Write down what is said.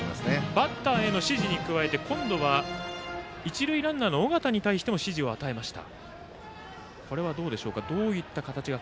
バッターへの指示に加えて今度は一塁ランナーの尾形に対しても指示を与えました。